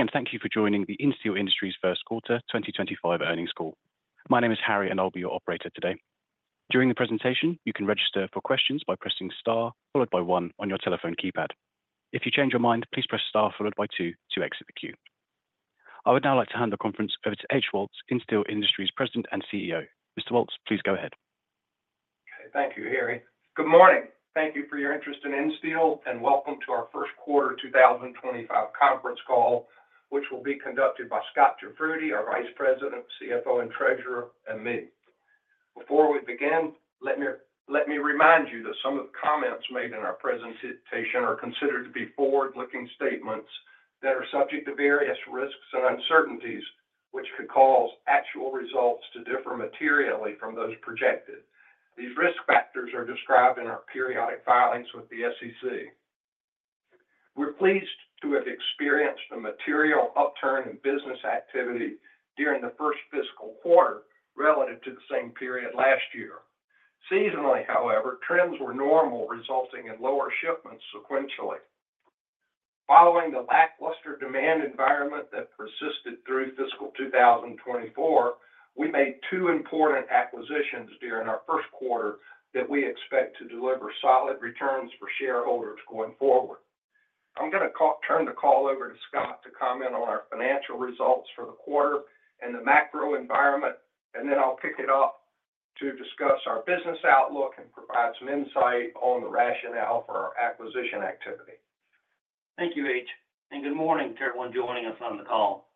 Again, thank you for joining the Insteel Industries First Quarter 2025 earnings call. My name is Harry, and I'll be your operator today. During the presentation, you can register for questions by pressing star followed by one on your telephone keypad. If you change your mind, please press star followed by two to exit the queue. I would now like to hand the conference over to H.O. Woltz III, Insteel Industries' President and CEO. Mr. Woltz, please go ahead. Okay, thank you, Harry. Good morning. Thank you for your interest in Insteel, and welcome to our First Quarter 2025 conference call, which will be conducted by Scot Jafroodi, our Vice President, CFO, and Treasurer, and me. Before we begin, let me remind you that some of the comments made in our presentation are considered to be forward-looking statements that are subject to various risks and uncertainties, which could cause actual results to differ materially from those projected. These risk factors are described in our periodic filings with the SEC. We're pleased to have experienced a material upturn in business activity during the first fiscal quarter relative to the same period last year. Seasonally, however, trends were normal, resulting in lower shipments sequentially. Following the lackluster demand environment that persisted through fiscal 2024, we made two important acquisitions during our first quarter that we expect to deliver solid returns for shareholders going forward. I'm going to turn the call over to Scot to comment on our financial results for the quarter and the macro environment, and then I'll pick it up to discuss our business outlook and provide some insight on the rationale for our acquisition activity. Thank you, H., and good morning, everyone joining us on the call.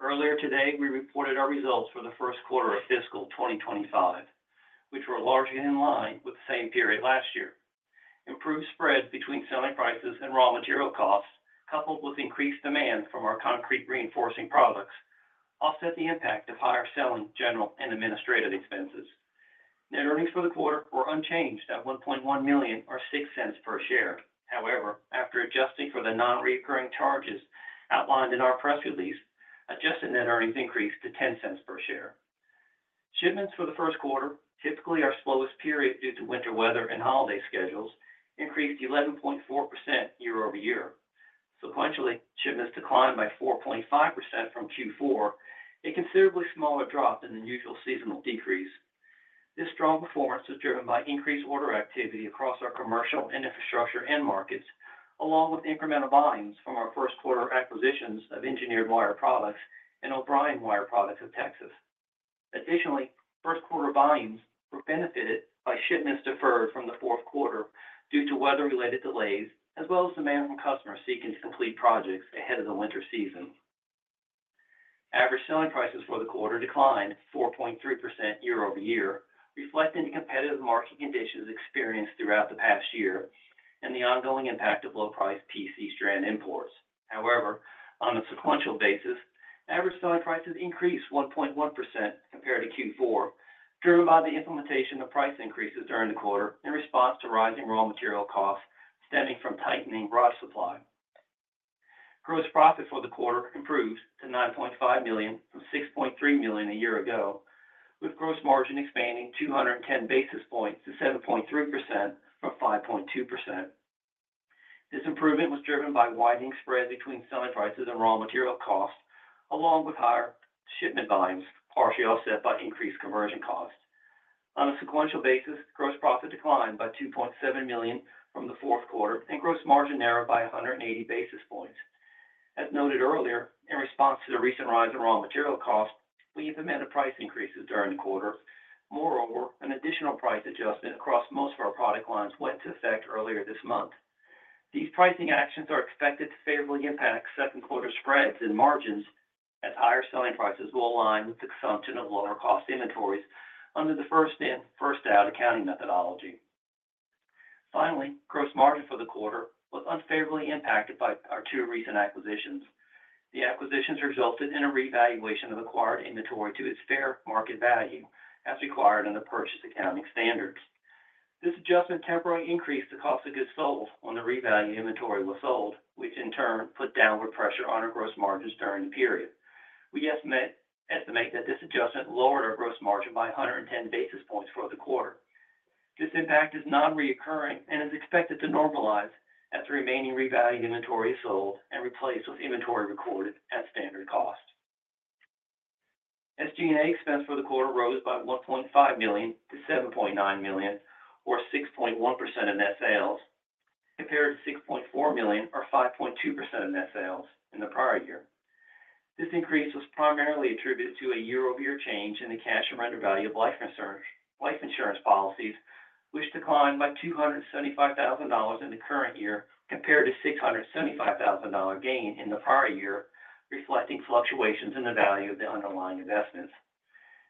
Earlier today, we reported our results for the first quarter of fiscal 2025, which were largely in line with the same period last year. Improved spread between selling prices and raw material costs, coupled with increased demand from our concrete reinforcing products, offset the impact of higher selling general and administrative expenses. Net earnings for the quarter were unchanged at $1.1 million or $0.06 per share. However, after adjusting for the nonrecurring charges outlined in our press release, adjusted net earnings increased to $0.10 per share. Shipments for the first quarter, typically our slowest period due to winter weather and holiday schedules, increased 11.4% year-over-year. Sequentially, shipments declined by 4.5% from Q4, a considerably smaller drop than the usual seasonal decrease. This strong performance is driven by increased order activity across our commercial and infrastructure end markets, along with incremental volumes from our first quarter acquisitions of Engineered Wire Products and O'Brien Wire Products of Texas. Additionally, first quarter volumes were benefited by shipments deferred from the fourth quarter due to weather-related delays, as well as demand from customers seeking to complete projects ahead of the winter season. Average selling prices for the quarter declined 4.3% year-over- year, reflecting the competitive market conditions experienced throughout the past year and the ongoing impact of low-priced PC strand imports. However, on a sequential basis, average selling prices increased 1.1% compared to Q4, driven by the implementation of price increases during the quarter in response to rising raw material costs stemming from tightening rod supply. Gross profit for the quarter improved to $9.5 million from $6.3 million a year ago, with gross margin expanding 210 basis points to 7.3% from 5.2%. This improvement was driven by widening spread between selling prices and raw material costs, along with higher shipment volumes, partially offset by increased conversion costs. On a sequential basis, gross profit declined by $2.7 million from the fourth quarter, and gross margin narrowed by 180 basis points. As noted earlier, in response to the recent rise in raw material costs, we implemented price increases during the quarter. Moreover, an additional price adjustment across most of our product lines went into effect earlier this month. These pricing actions are expected to favorably impact second quarter spreads and margins as higher selling prices will align with the consumption of lower-cost inventories under the first-in-first-out accounting methodology. Finally, gross margin for the quarter was unfavorably impacted by our two recent acquisitions. The acquisitions resulted in a revaluation of acquired inventory to its fair market value, as required under purchase accounting standards. This adjustment temporarily increased the cost of goods sold when the revalued inventory was sold, which in turn put downward pressure on our gross margins during the period. We estimate that this adjustment lowered our gross margin by 110 basis points for the quarter. This impact is non-recurring and is expected to normalize as the remaining revalued inventory is sold and replaced with inventory recorded at standard cost. SG&A expense for the quarter rose by 1.5 million to 7.9 million, or 6.1% of net sales, compared to 6.4 million or 5.2% of net sales in the prior year. This increase was primarily attributed to a year-over-year change in the cash surrender value of life insurance policies, which declined by $275,000 in the current year compared to a $675,000 gain in the prior year, reflecting fluctuations in the value of the underlying investments.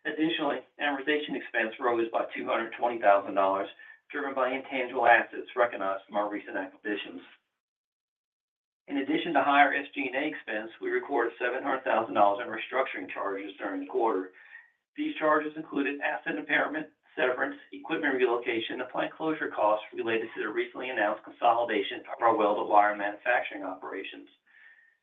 Additionally, amortization expense rose by $220,000, driven by intangible assets recognized from our recent acquisitions. In addition to higher SG&A expense, we recorded $700,000 in restructuring charges during the quarter. These charges included asset impairment, severance, equipment relocation, and plant closure costs related to the recently announced consolidation of our welded wire manufacturing operations.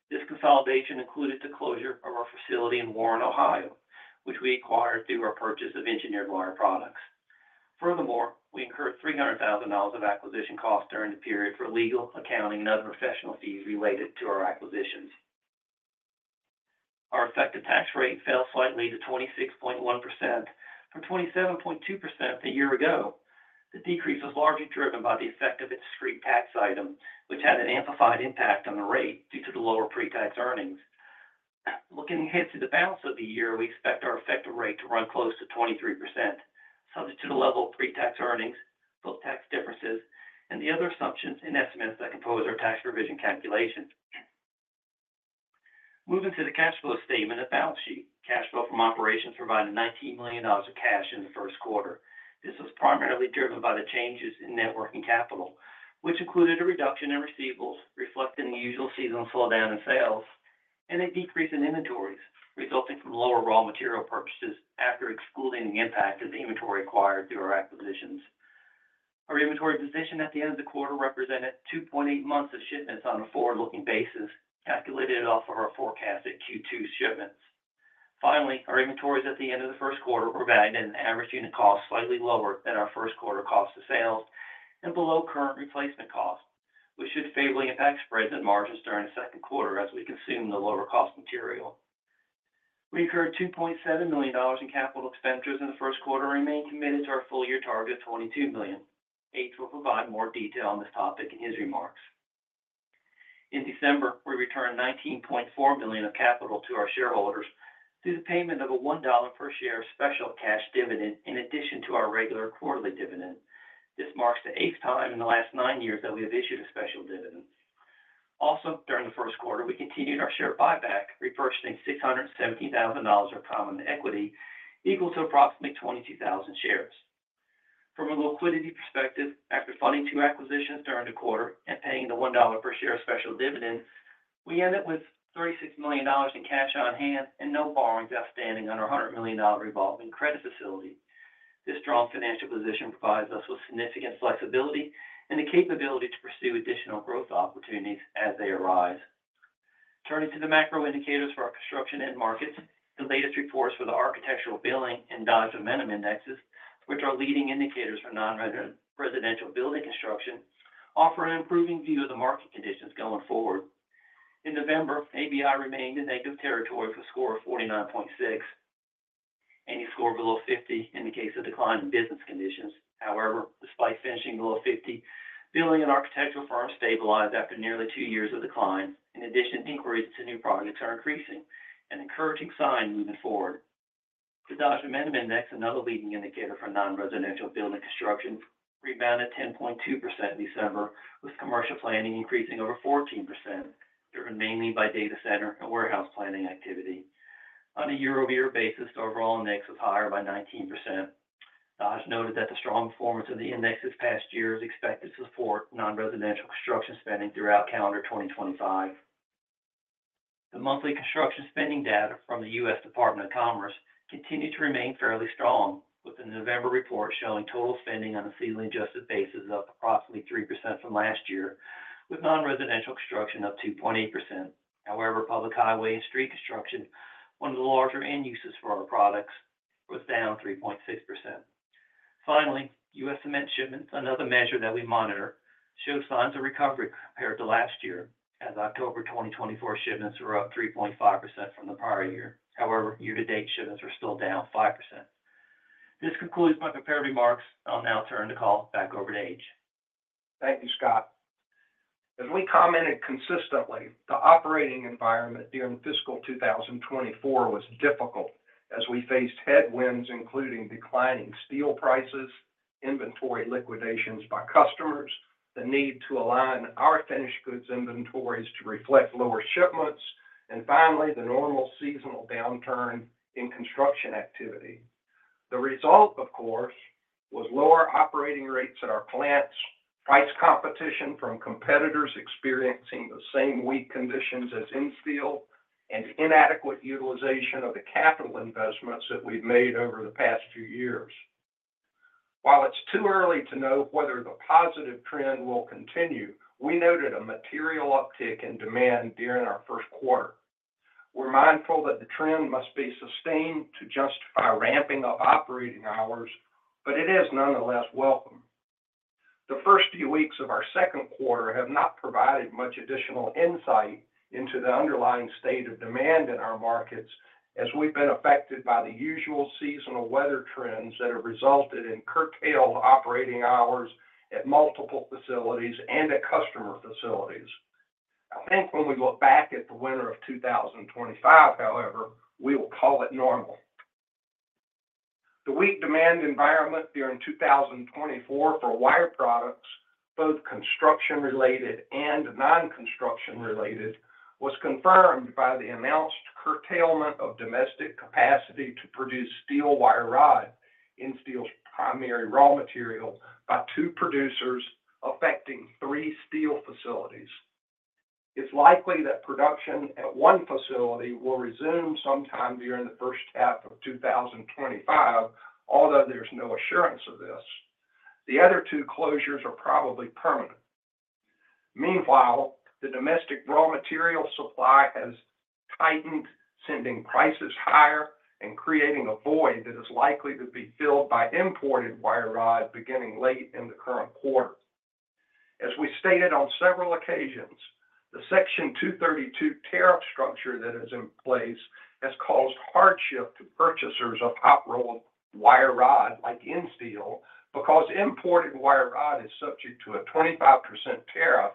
This consolidation included the closure of our facility in Warren, Ohio, which we acquired through our purchase of Engineered Wire Products. Furthermore, we incurred $300,000 of acquisition costs during the period for legal, accounting, and other professional fees related to our acquisitions. Our effective tax rate fell slightly to 26.1% from 27.2% a year ago. The decrease was largely driven by the effect of a discrete tax item, which had an amplified impact on the rate due to the lower pre-tax earnings. Looking ahead to the balance of the year, we expect our effective rate to run close to 23%, subject to the level of pre-tax earnings, book tax differences, and the other assumptions and estimates that compose our tax provision calculations. Moving to the cash flow statement and balance sheet, cash flow from operations provided $19 million of cash in the first quarter. This was primarily driven by the changes in net working capital, which included a reduction in receivables, reflecting the usual seasonal slowdown in sales, and a decrease in inventories resulting from lower raw material purchases after excluding the impact of the inventory acquired through our acquisitions. Our inventory position at the end of the quarter represented 2.8 months of shipments on a forward-looking basis, calculated off of our forecast at Q2 shipments. Finally, our inventories at the end of the first quarter were valued at an average unit cost slightly lower than our first quarter cost of sales and below current replacement costs, which should favorably impact spreads and margins during the second quarter as we consume the lower-cost material. We incurred $2.7 million in capital expenditures in the first quarter and remained committed to our full-year target of $22 million. H.O. Woltz will provide more detail on this topic in his remarks. In December, we returned $19.4 million of capital to our shareholders through the payment of a $1 per share special cash dividend in addition to our regular quarterly dividend. This marks the eighth time in the last nine years that we have issued a special dividend. Also, during the first quarter, we continued our share buyback, repurchasing $670,000 of common equity equal to approximately 22,000 shares. From a liquidity perspective, after funding two acquisitions during the quarter and paying the $1 per share special dividend, we ended with $36 million in cash on hand and no borrowings outstanding under our $100 million revolving credit facility. This strong financial position provides us with significant flexibility and the capability to pursue additional growth opportunities as they arise. Turning to the macro indicators for our construction end markets, the latest reports for the Architecture Billings and Dodge Amendment Indexes, which are leading indicators for non-residential building construction, offer an improving view of the market conditions going forward. In November, ABI remained in negative territory with a score of 49.6, any score below 50 in the case of declining business conditions. However, despite finishing below 50, billings at architectural firms stabilized after nearly two years of decline. In addition, inquiries into new projects are increasing, an encouraging sign moving forward. The Dodge Momentum Index, another leading indicator for non-residential building construction, rebounded 10.2% in December, with commercial planning increasing over 14%, driven mainly by data center and warehouse planning activity. On a year-over-year basis, the overall index was higher by 19%. Dodge noted that the strong performance of the index this past year is expected to support non-residential construction spending throughout calendar 2025. The monthly construction spending data from the U.S. Department of Commerce continued to remain fairly strong, with the November report showing total spending on a seasonally adjusted basis of approximately 3% from last year, with non-residential construction up 2.8%. However, public highway and street construction, one of the larger end uses for our products, was down 3.6%. Finally, U.S. cement shipments, another measure that we monitor, showed signs of recovery compared to last year, as October 2024 shipments were up 3.5% from the prior year. However, year-to-date shipments were still down 5%. This concludes my prepared remarks. I'll now turn the call back over to H. Thank you, Scot. As we commented consistently, the operating environment during fiscal 2024 was difficult as we faced headwinds, including declining steel prices, inventory liquidations by customers, the need to align our finished goods inventories to reflect lower shipments, and finally, the normal seasonal downturn in construction activity. The result, of course, was lower operating rates at our plants, price competition from competitors experiencing the same weak conditions as in steel, and inadequate utilization of the capital investments that we've made over the past few years. While it's too early to know whether the positive trend will continue, we noted a material uptick in demand during our first quarter. We're mindful that the trend must be sustained to justify ramping up operating hours, but it is nonetheless welcome. The first few weeks of our second quarter have not provided much additional insight into the underlying state of demand in our markets, as we've been affected by the usual seasonal weather trends that have resulted in curtailed operating hours at multiple facilities and at customer facilities. I think when we look back at the winter of 2025, however, we will call it normal. The weak demand environment during 2024 for wire products, both construction-related and non-construction-related, was confirmed by the announced curtailment of domestic capacity to produce steel wire rod, steel's primary raw material, by two producers affecting three steel facilities. It's likely that production at one facility will resume sometime during the first half of 2025, although there's no assurance of this. The other two closures are probably permanent. Meanwhile, the domestic raw material supply has tightened, sending prices higher and creating a void that is likely to be filled by imported wire rod beginning late in the current quarter. As we stated on several occasions, the Section 232 tariff structure that is in place has caused hardship to purchasers of hot-rolled wire rod like Insteel because imported wire rod is subject to a 25% tariff,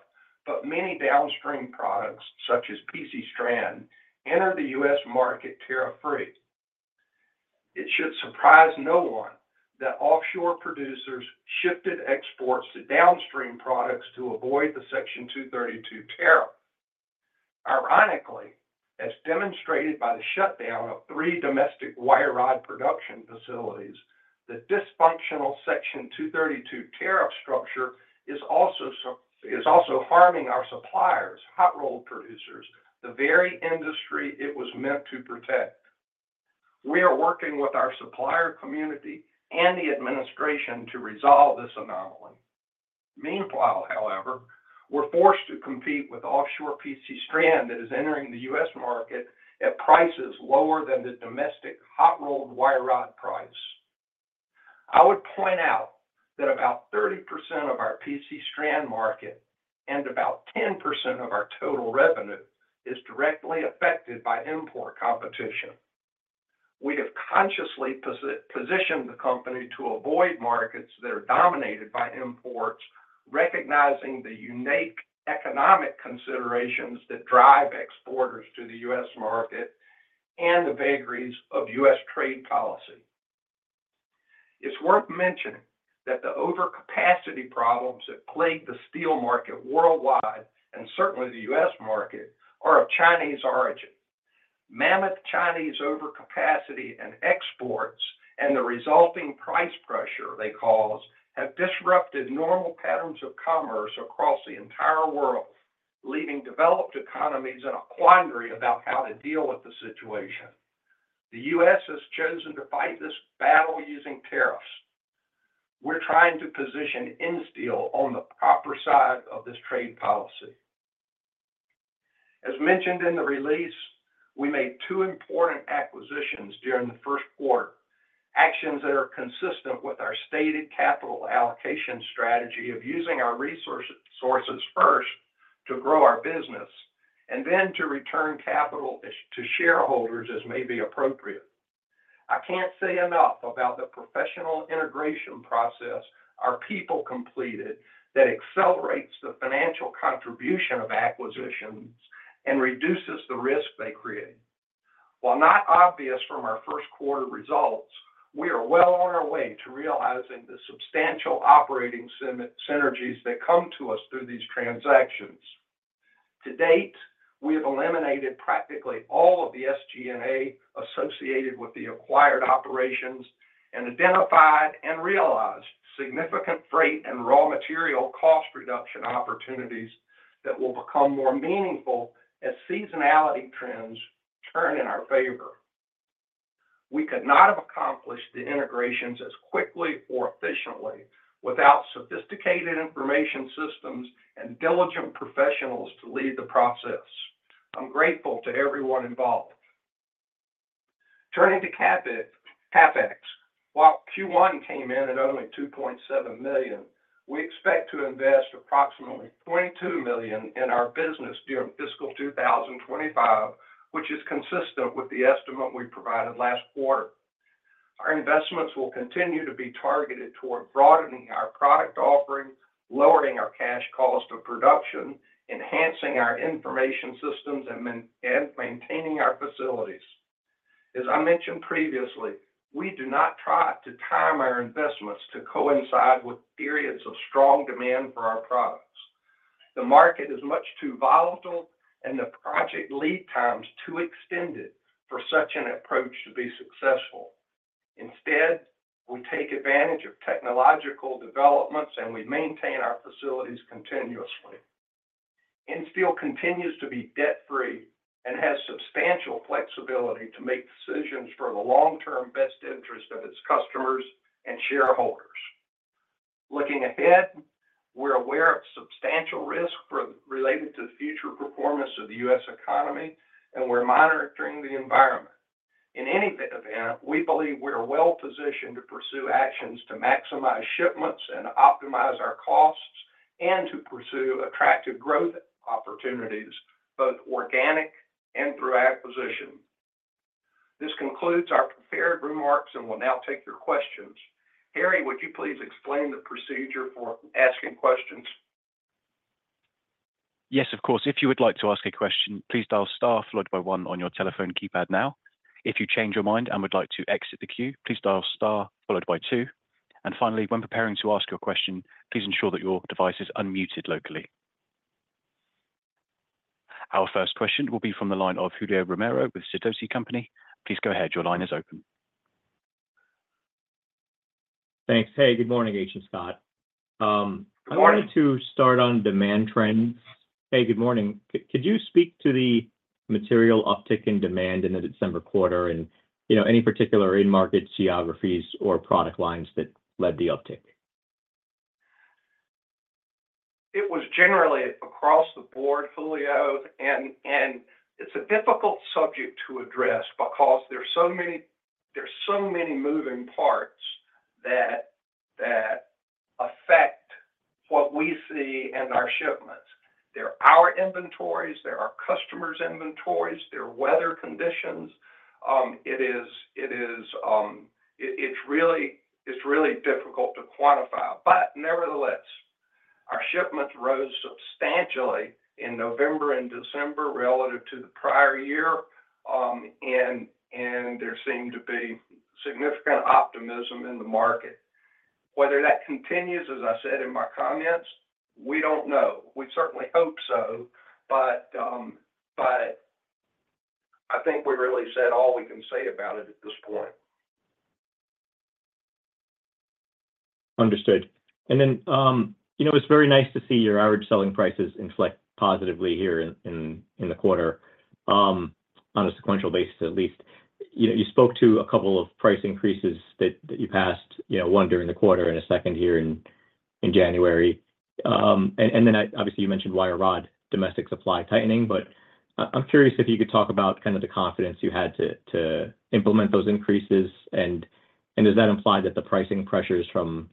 but many downstream products, such as PC strand, enter the U.S. market tariff-free. It should surprise no one that offshore producers shifted exports to downstream products to avoid the Section 232 tariff. Ironically, as demonstrated by the shutdown of three domestic wire rod production facilities, the dysfunctional Section 232 tariff structure is also harming our suppliers, hot-rolled producers, the very industry it was meant to protect. We are working with our supplier community and the administration to resolve this anomaly. Meanwhile, however, we're forced to compete with offshore PC strand that is entering the U.S. market at prices lower than the domestic hot-rolled wire rod price. I would point out that about 30% of our PC strand market and about 10% of our total revenue is directly affected by import competition. We have consciously positioned the company to avoid markets that are dominated by imports, recognizing the unique economic considerations that drive exporters to the U.S. market and the vagaries of U.S. trade policy. It's worth mentioning that the overcapacity problems that plague the steel market worldwide and certainly the U.S. market are of Chinese origin. Mammoth Chinese overcapacity and exports and the resulting price pressure they cause have disrupted normal patterns of commerce across the entire world, leaving developed economies in a quandary about how to deal with the situation. The U.S. has chosen to fight this battle using tariffs. We're trying to position Insteel on the proper side of this trade policy. As mentioned in the release, we made two important acquisitions during the first quarter, actions that are consistent with our stated capital allocation strategy of using our resources first to grow our business and then to return capital to shareholders as may be appropriate. I can't say enough about the professional integration process our people completed that accelerates the financial contribution of acquisitions and reduces the risk they create. While not obvious from our first quarter results, we are well on our way to realizing the substantial operating synergies that come to us through these transactions. To date, we have eliminated practically all of the SG&A associated with the acquired operations and identified and realized significant freight and raw material cost reduction opportunities that will become more meaningful as seasonality trends turn in our favor. We could not have accomplished the integrations as quickly or efficiently without sophisticated information systems and diligent professionals to lead the process. I'm grateful to everyone involved. Turning to CapEx, while Q1 came in at only $2.7 million, we expect to invest approximately $22 million in our business during fiscal 2025, which is consistent with the estimate we provided last quarter. Our investments will continue to be targeted toward broadening our product offering, lowering our cash cost of production, enhancing our information systems, and maintaining our facilities. As I mentioned previously, we do not try to time our investments to coincide with periods of strong demand for our products. The market is much too volatile and the project lead times too extended for such an approach to be successful. Instead, we take advantage of technological developments and we maintain our facilities continuously. Insteel continues to be debt-free and has substantial flexibility to make decisions for the long-term best interest of its customers and shareholders. Looking ahead, we're aware of substantial risks related to the future performance of the U.S. economy and we're monitoring the environment. In any event, we believe we are well positioned to pursue actions to maximize shipments and optimize our costs and to pursue attractive growth opportunities, both organic and through acquisition. This concludes our prepared remarks and will now take your questions. Harry, would you please explain the procedure for asking questions? Yes, of course. If you would like to ask a question, please dial star followed by one on your telephone keypad now. If you change your mind and would like to exit the queue, please dial star followed by two. And finally, when preparing to ask your question, please ensure that your device is unmuted locally. Our first question will be from the line of Julio Romero with Sidoti & Company. Please go ahead. Your line is open. Thanks. Hey, good morning, H.O. Woltz. I wanted to start on demand trends. Hey, good morning. Could you speak to the material uptick in demand in the December quarter and any particular in-market geographies or product lines that led the uptick? It was generally across the board, Julio, and it's a difficult subject to address because there are so many moving parts that affect what we see in our shipments. There are our inventories, there are our customers' inventories, there are weather conditions. It's really difficult to quantify, but nevertheless, our shipments rose substantially in November and December relative to the prior year, and there seemed to be significant optimism in the market. Whether that continues, as I said in my comments, we don't know. We certainly hope so, but I think we really said all we can say about it at this point. Understood. And then it's very nice to see your average selling prices inflect positively here in the quarter on a sequential basis, at least. You spoke to a couple of price increases that you passed, one during the quarter and a second here in January. And then obviously you mentioned wire rod domestic supply tightening, but I'm curious if you could talk about kind of the confidence you had to implement those increases, and does that imply that the pricing pressures from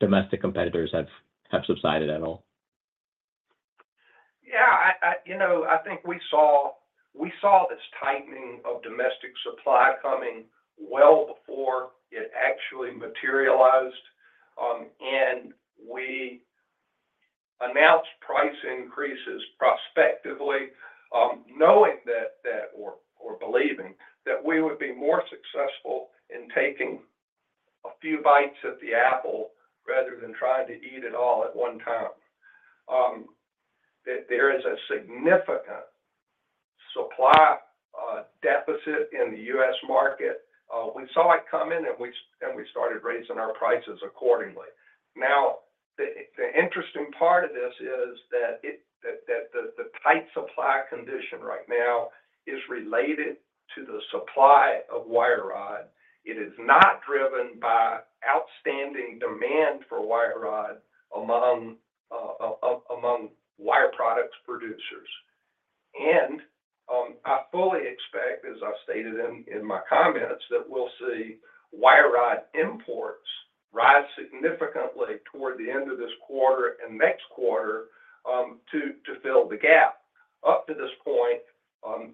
domestic competitors have subsided at all? Yeah. I think we saw this tightening of domestic supply coming well before it actually materialized, and we announced price increases prospectively, knowing that or believing that we would be more successful in taking a few bites at the apple rather than trying to eat it all at one time. There is a significant supply deficit in the U.S. market. We saw it coming, and we started raising our prices accordingly. Now, the interesting part of this is that the tight supply condition right now is related to the supply of wire rod. It is not driven by outstanding demand for wire rod among wire products producers, and I fully expect, as I've stated in my comments, that we'll see wire rod imports rise significantly toward the end of this quarter and next quarter to fill the gap. Up to this point,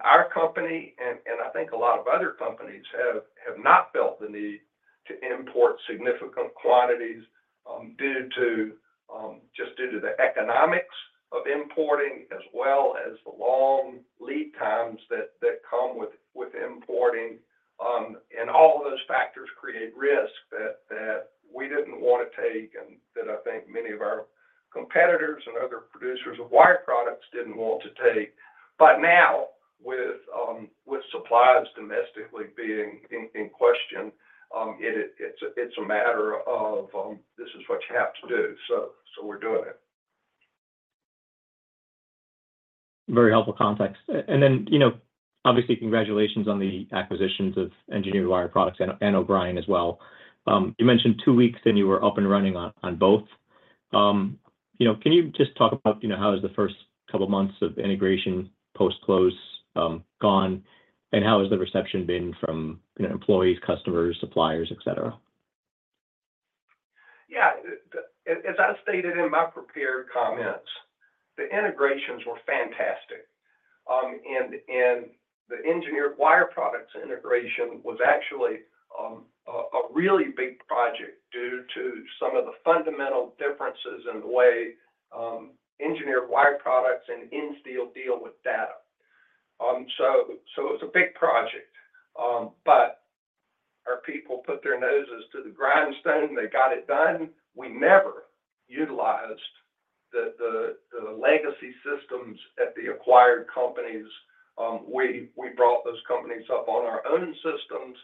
our company and I think a lot of other companies have not felt the need to import significant quantities just due to the economics of importing, as well as the long lead times that come with importing. And all of those factors create risk that we didn't want to take and that I think many of our competitors and other producers of wire products didn't want to take. But now, with supplies domestically being in question, it's a matter of, "This is what you have to do," so we're doing it. Very helpful context. And then obviously, congratulations on the acquisitions of Engineered Wire Products and O'Brien as well. You mentioned two weeks and you were up and running on both. Can you just talk about how has the first couple of months of integration post-close gone and how has the reception been from employees, customers, suppliers, etc.? Yeah. As I stated in my prepared comments, the integrations were fantastic. And the Engineered Wire Products integration was actually a really big project due to some of the fundamental differences in the way Engineered Wire Products and Insteel deal with data. So it was a big project. But our people put their noses to the grindstone. They got it done. We never utilized the legacy systems at the acquired companies. We brought those companies up on our own systems.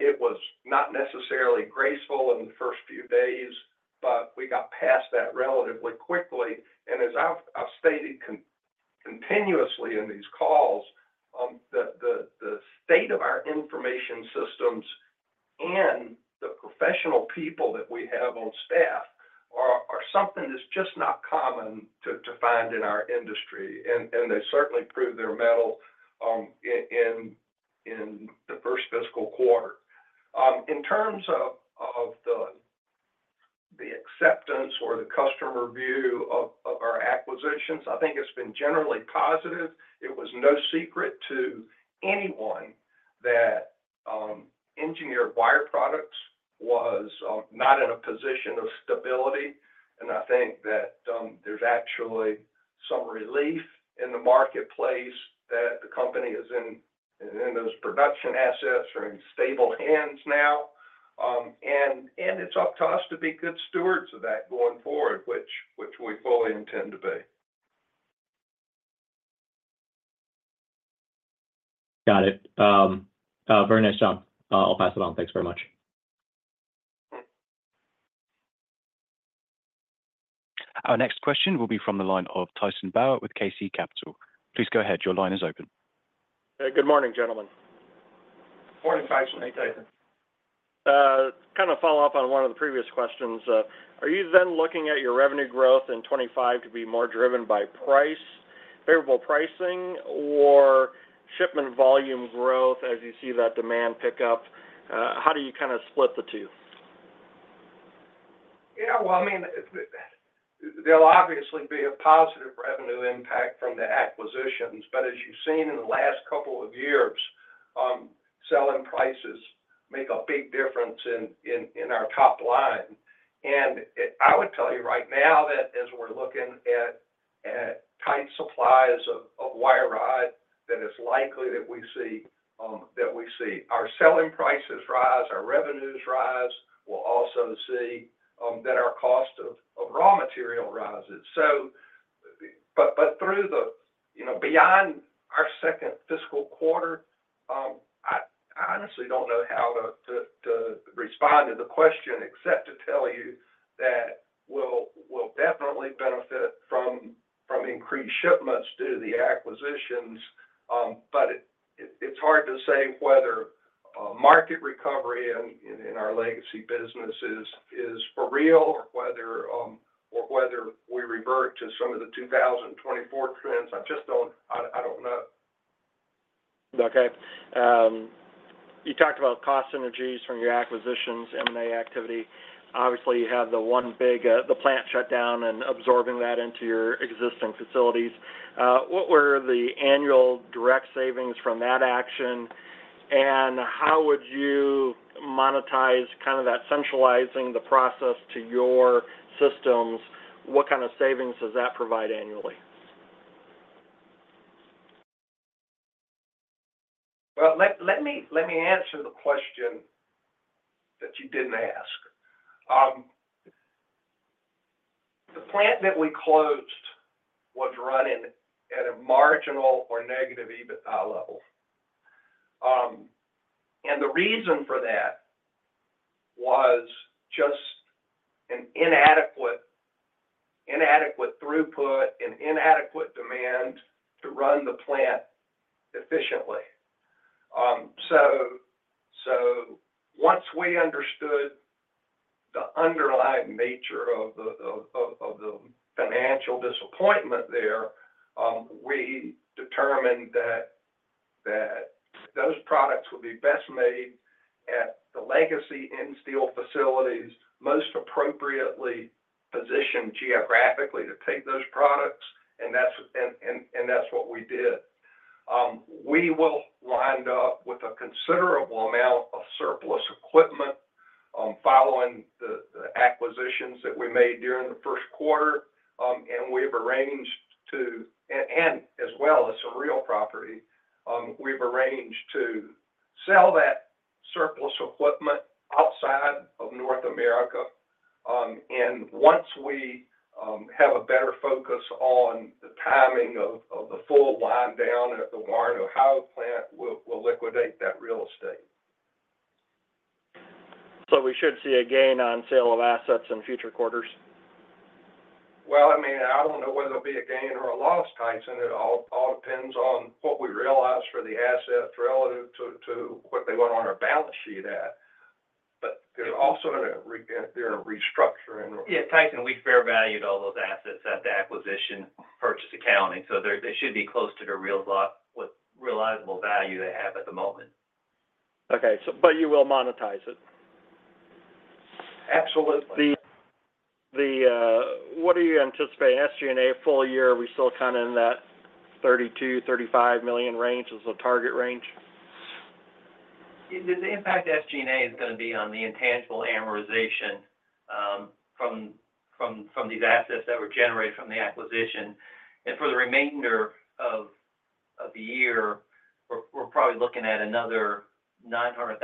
It was not necessarily graceful in the first few days, but we got past that relatively quickly. And as I've stated continuously in these calls, the state of our information systems and the professional people that we have on staff are something that's just not common to find in our industry. And they certainly proved their mettle in the first fiscal quarter. In terms of the acceptance or the customer view of our acquisitions, I think it's been generally positive. It was no secret to anyone that Engineered Wire Products was not in a position of stability, and I think that there's actually some relief in the marketplace that the company is in those production assets or in stable hands now, and it's up to us to be good stewards of that going forward, which we fully intend to be. Got it. Very nice job. I'll pass it on. Thanks very much. Our next question will be from the line of Tyson Bauer with KC Capital. Please go ahead. Your line is open. Good morning, gentlemen. Morning, Tyson. Hey, Tyson. Kind of follow up on one of the previous questions. Are you then looking at your revenue growth in 2025 to be more driven by favorable pricing or shipment volume growth as you see that demand pick up? How do you kind of split the two? Yeah. Well, I mean, there'll obviously be a positive revenue impact from the acquisitions. But as you've seen in the last couple of years, selling prices make a big difference in our top line. And I would tell you right now that as we're looking at tight supplies of wire rod, that it's likely that we see our selling prices rise, our revenues rise. We'll also see that our cost of raw material rises. But through and beyond our second fiscal quarter, I honestly don't know how to respond to the question except to tell you that we'll definitely benefit from increased shipments due to the acquisitions. But it's hard to say whether market recovery in our legacy business is for real or whether we revert to some of the 2024 trends. I don't know. Okay. You talked about cost synergies from your acquisitions, M&A activity. Obviously, you have the one big plant shutdown and absorbing that into your existing facilities. What were the annual direct savings from that action? And how would you monetize kind of that centralizing the process to your systems? What kind of savings does that provide annually? Let me answer the question that you didn't ask. The plant that we closed was running at a marginal or negative EBITDA level. And the reason for that was just an inadequate throughput, an inadequate demand to run the plant efficiently. So once we understood the underlying nature of the financial disappointment there, we determined that those products would be best made at the legacy Insteel facilities, most appropriately positioned geographically to take those products. And that's what we did. We will wind up with a considerable amount of surplus equipment following the acquisitions that we made during the first quarter. And we've arranged to, as well as some real property, we've arranged to sell that surplus equipment outside of North America. And once we have a better focus on the timing of the full wind down at the Warren, Ohio plant, we'll liquidate that real estate. So we should see a gain on sale of assets in future quarters? I mean, I don't know whether it'll be a gain or a loss, Tyson. It all depends on what we realize for the assets relative to what they went on our balance sheet at, but they're also in a restructuring. Yeah. Tyson, we fair valued all those assets at the acquisition purchase accounting. So they should be close to their realizable value they have at the moment. Okay. But you will monetize it? Absolutely. What do you anticipate? SG&A full year, are we still kind of in that $32-$35 million range as a target range? The impact SG&A is going to be on the intangible amortization from these assets that were generated from the acquisition. And for the remainder of the year, we're probably looking at another $900,000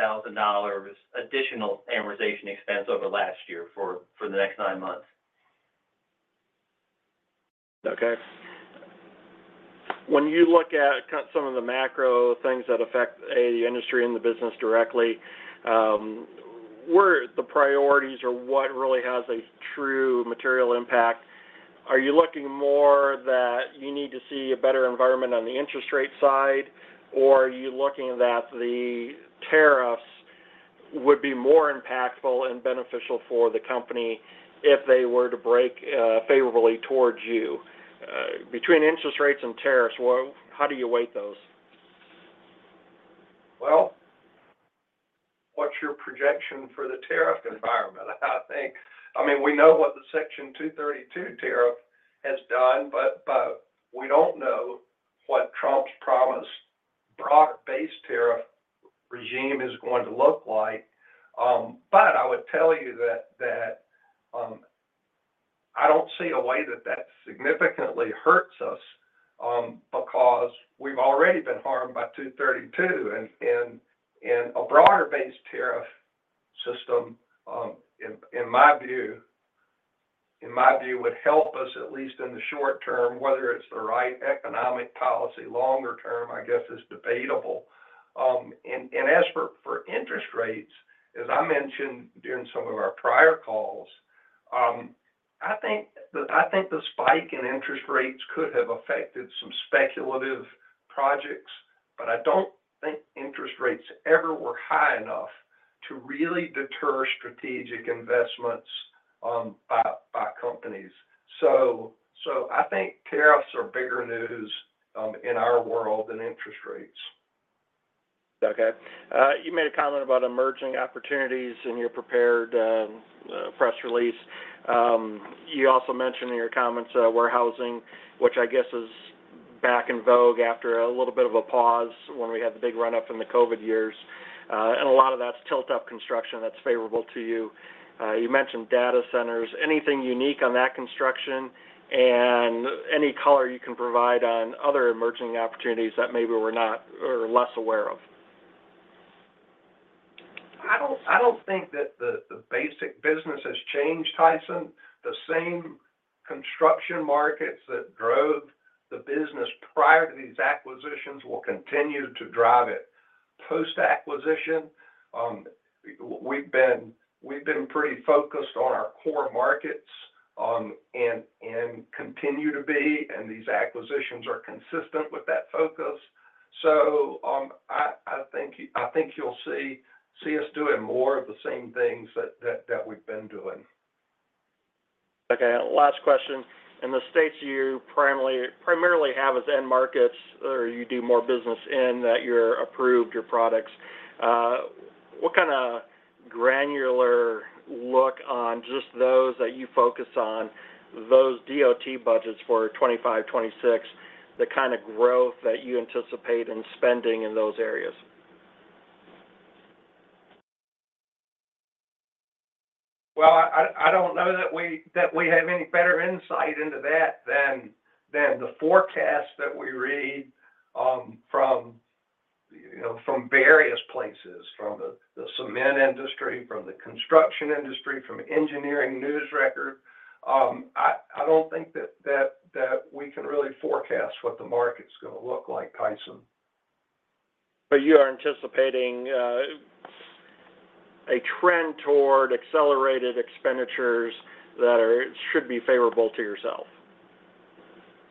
additional amortization expense over the last year for the next nine months. Okay. When you look at some of the macro things that affect the industry and the business directly, the priorities or what really has a true material impact, are you looking more that you need to see a better environment on the interest rate side, or are you looking that the tariffs would be more impactful and beneficial for the company if they were to break favorably towards you? Between interest rates and tariffs, how do you weight those? What's your projection for the tariff environment? I mean, we know what the Section 232 tariff has done, but we don't know what Trump's promised broad-based tariff regime is going to look like. But I would tell you that I don't see a way that that significantly hurts us because we've already been harmed by 232. And a broader-based tariff system, in my view, would help us at least in the short term, whether it's the right economic policy. Longer term, I guess, is debatable. And as for interest rates, as I mentioned during some of our prior calls, I think the spike in interest rates could have affected some speculative projects, but I don't think interest rates ever were high enough to really deter strategic investments by companies. So I think tariffs are bigger news in our world than interest rates. Okay. You made a comment about emerging opportunities in your prepared press release. You also mentioned in your comments warehousing, which I guess is back in vogue after a little bit of a pause when we had the big run-up in the COVID years. And a lot of that's tilt-up construction that's favorable to you. You mentioned data centers. Anything unique on that construction and any color you can provide on other emerging opportunities that maybe we're less aware of? I don't think that the basic business has changed, Tyson. The same construction markets that drove the business prior to these acquisitions will continue to drive it. Post-acquisition, we've been pretty focused on our core markets and continue to be. And these acquisitions are consistent with that focus. So I think you'll see us doing more of the same things that we've been doing. Okay. Last question. In the states you primarily have as end markets or you do more business in that you're approved your products, what kind of granular look on just those that you focus on, those DOT budgets for 2025, 2026, the kind of growth that you anticipate in spending in those areas? I don't know that we have any better insight into that than the forecast that we read from various places, from the cement industry, from the construction industry, from Engineering News-Record. I don't think that we can really forecast what the market's going to look like, Tyson. But you are anticipating a trend toward accelerated expenditures that should be favorable to yourself?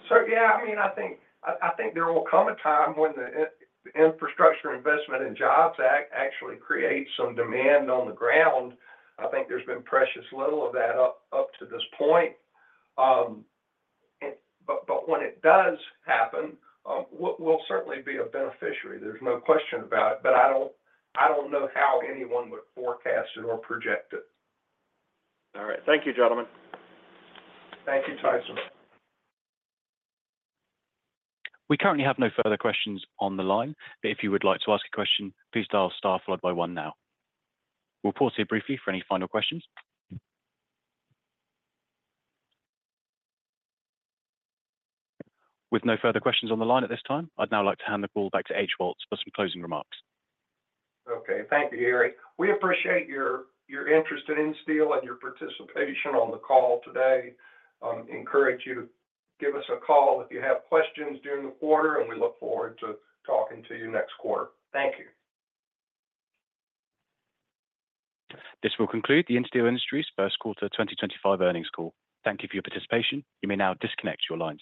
So yeah. I mean, I think there will come a time when the Infrastructure Investment and Jobs Act actually creates some demand on the ground. I think there's been precious little of that up to this point. But when it does happen, we'll certainly be a beneficiary. There's no question about it. But I don't know how anyone would forecast it or project it. All right. Thank you, gentlemen. Thank you, Tyson. We currently have no further questions on the line. But if you would like to ask a question, please dial star followed by one now. We'll pause here briefly for any final questions. With no further questions on the line at this time, I'd now like to hand the call back to H.O. Woltz for some closing remarks. Okay. Thank you, Harry. We appreciate your interest in Insteel and your participation on the call today. Encourage you to give us a call if you have questions during the quarter, and we look forward to talking to you next quarter. Thank you. This will conclude the Insteel Industries' first quarter 2025 earnings call. Thank you for your participation. You may now disconnect your lines.